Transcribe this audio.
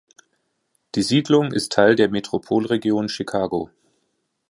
Die Siedlung ist Teil der Metropolregion Chicago.